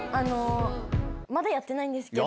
まだやってないんですけど。